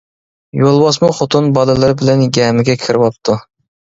يولۋاسمۇ خوتۇن بالىلىرى بىلەن گەمىگە كىرىۋاپتۇ.